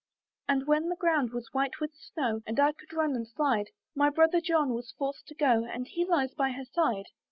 "And when the ground was white with snow, "And I could run and slide, "My brother John was forced to go, "And he lies by her side."